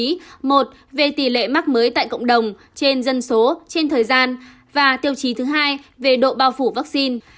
quý một về tỷ lệ mắc mới tại cộng đồng trên dân số trên thời gian và tiêu chí thứ hai về độ bao phủ vaccine